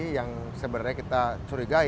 yang sebenarnya kita curigai